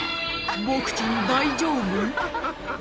ボクちゃん大丈夫？